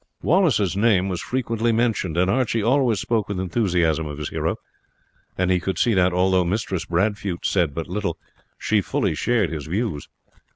Wallace's name was frequently mentioned, and Archie always spoke with enthusiasm of his hero; and he could see that, although Mistress Bradfute said but little, she fully shared his views.